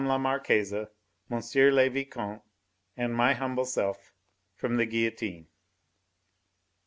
la Marquise, M. le Vicomte and my humble self from the guillotine.